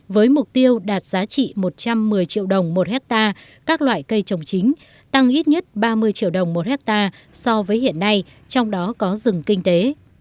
với mục tiêu đạt giá trị một trăm một mươi triệu đồng một hectare các loại cây trồng chính tăng ít nhất ba mươi triệu đồng một hectare so với hiện nay trong đó có rừng kinh tế